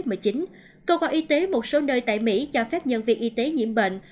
cộng hòa y tế một số nơi tại mỹ cho phép nhân viên y tế nhiễm bệnh